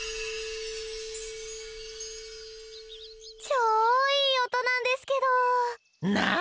超いい音なんですけど。なあ？